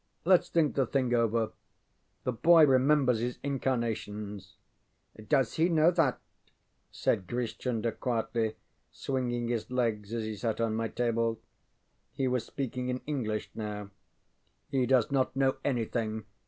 LetŌĆÖs think the thing over. The boy remembers his incarnations. ŌĆØ ŌĆ£Does he know that? ŌĆØ said Grish Chunder, quietly, swinging his legs as he sat on my table. He was speaking in English now. ŌĆ£He does not know anything.